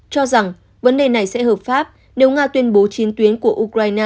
cho rằng vấn đề này sẽ hợp pháp nếu nga tuyên bố chiến tuyến của ukraine